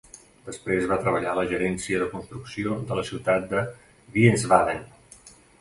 Després va treballar a la gerència de construcció de la ciutat de Wiesbaden.